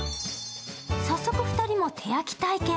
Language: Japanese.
早速２人も手焼き体験。